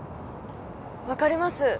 分かります。